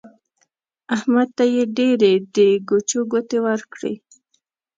احمد ته يې ډېرې د ګوچو ګوتې ورکړې.